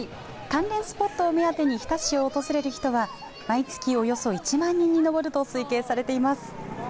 関連スポットを目当てに日田市を訪れる人は毎月およそ１万人に上ると推計されています。